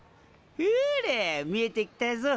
ほれ見えてきたぞ。